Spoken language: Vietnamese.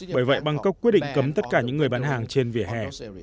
bởi vậy bangkok quyết định cấm tất cả những người bán hàng trên vỉa hè